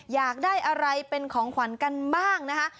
อยากได้อะไรเป็นของขวัญกันบ้างนะคะ